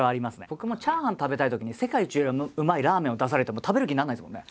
僕もチャーハン食べたいときに世界一うまいラーメンを出されても食べる気にならないですもんね。